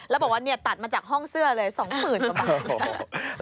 แล้วบอกว่าตัดมาจากห้องเสื้อเลย๒หมื่นถึงบ้าเบียน